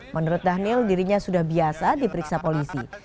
menurut dhanil dirinya sudah biasa diperiksa polisi